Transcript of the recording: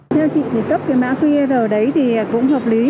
theo chị thì cấp cái mã qr đấy thì cũng hợp lý